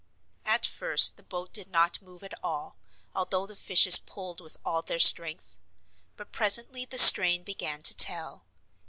At first the boat did not move at all, although the fishes pulled with all their strength. But presently the strain began to tell.